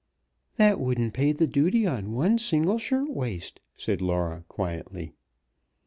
"That wouldn't pay the duty on one single shirt waist," said Laura, quietly.